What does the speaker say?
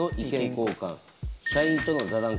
交換社員との座談会。